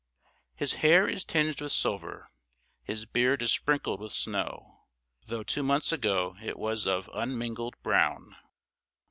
] His hair is tinged with silver. His beard is sprinkled with snow, though two months ago it was of unmingled brown.